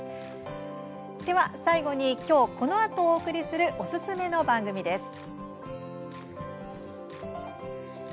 最後に、今日このあとお送りする、おすすめ番組です。